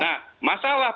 nah masalah persidangan